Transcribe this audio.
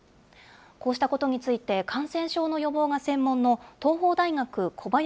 こうしたことについて、感染症の予防が専門の東邦大学、小林寅